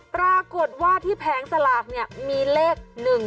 ปรากฏว่าที่แผงสลากเนี่ยมีเลข๑๒